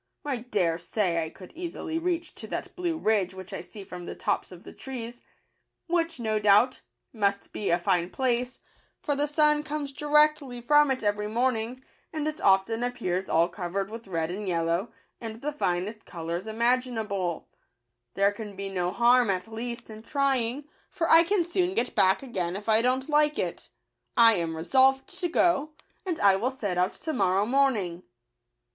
I dare say I could easily reach to that blue ridge which I see from the tops of the trees; which, no doubt, must be a fine place, for the Digitized by Google raws] jP tb j s/l i ll i Hlhl J ). TnS ///m f sun comes directly from it every morning, and it often appears all covered with red and yel low, and the finest colours imaginable. There can be no harm, at least, in trying ; for I can soon get back again if I don't like it. I am resolved to go, and I will set out to morrow morning."